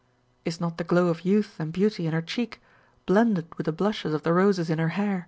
Is not the glow of youth and beauty in her cheek blended with the blushes of the roses in her hair